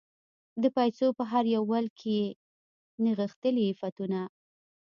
د پایڅو په هر یو ول کې یې نغښتلي عفتونه